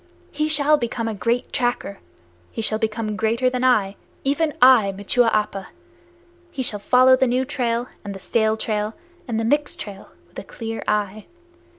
He shall become a great tracker. He shall become greater than I, even I, Machua Appa! He shall follow the new trail, and the stale trail, and the mixed trail, with a clear eye!